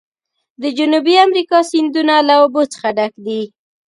د جنوبي امریکا سیندونه له اوبو څخه ډک دي.